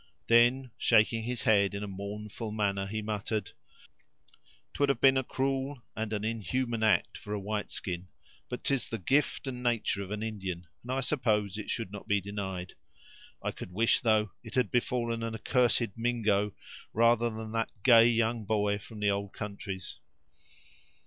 Then, shaking his head in a mournful manner, he muttered: "'Twould have been a cruel and an unhuman act for a white skin; but 'tis the gift and natur' of an Indian, and I suppose it should not be denied. I could wish, though, it had befallen an accursed Mingo, rather than that gay young boy from the old countries."